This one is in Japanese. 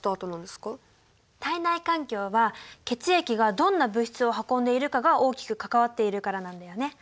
体内環境は血液がどんな物質を運んでいるかが大きく関わっているからなんだよね。